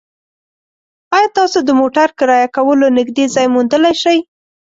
ایا تاسو د موټر کرایه کولو نږدې ځای موندلی شئ؟